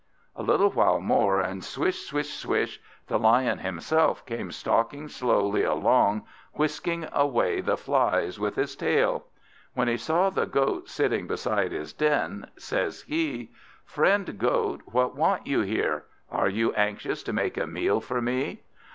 A little while more, and swish, swish, swish, the Lion himself came stalking slowly along, whisking away the flies with his tail. When he saw the Goat sitting beside his den, says he "Friend Goat, what want you here? Are you anxious to make a meal for me?"